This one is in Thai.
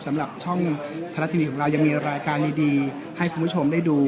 สำหรับช่องไทยรัฐทีวีของเรายังมีรายการดีให้คุณผู้ชมได้ดู